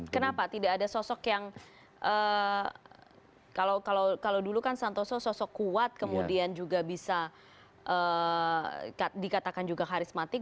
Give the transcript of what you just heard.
kenapa tidak ada sosok yang kalau dulu kan santoso sosok kuat kemudian juga bisa dikatakan juga karismatik